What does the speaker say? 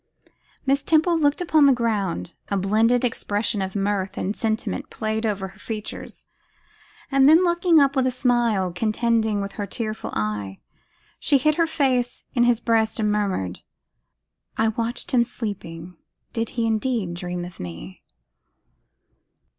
Miss Temple looked upon the ground; a blended expression of mirth and sentiment played over her features, and then looking up with a smile contending with her tearful eye, she hid her face in his breast and murmured, 'I watched him sleeping. Did he indeed dream of me?